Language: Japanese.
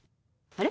あれ？